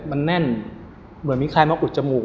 มันแน่นเหมือนมีใครมาอุดจมูก